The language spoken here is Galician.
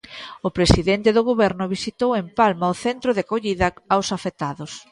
O presidente do Goberno visitou en Palma o centro de acollida aos afectados.